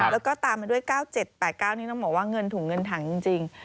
แล้วก็ตามมาด้วย๙๗๘๙นี่ต้องบอกว่าเงินถุงเงินถังจริง